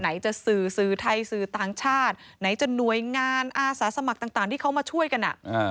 จะสื่อสื่อไทยสื่อต่างชาติไหนจะหน่วยงานอาสาสมัครต่างที่เขามาช่วยกัน